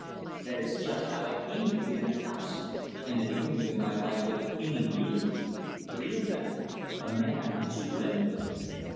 That is just how I came to be in a house, and the beginning of my life with human beings, three of them a man and two women.